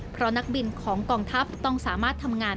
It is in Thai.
เพราะนักบินของกองทัพต้องสามารถทำงาน